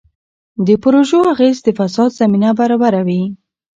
د پروژو اغېز د فساد زمینه برابروي.